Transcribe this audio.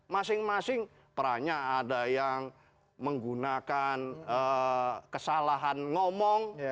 masing masing perannya ada yang menggunakan kesalahan ngomong